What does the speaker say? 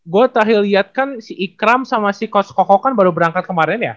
gue terakhir liat kan si ikram sama si kos koko kan baru berangkat kemarin ya